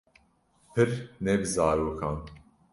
Pir ne bi zarokan